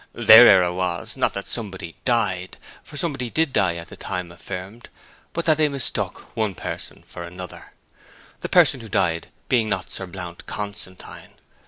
Their error was, not that somebody died for somebody did die at the time affirmed but that they mistook one person for another; the person who died being not Sir Blount Constantine.